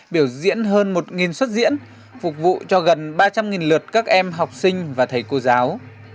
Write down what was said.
biểu diễn hơn một xuất diễn phục vụ cho gần ba trăm linh lượt các em học sinh và thầy cô giáo